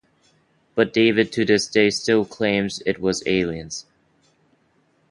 But David to this day still claims it was aliens.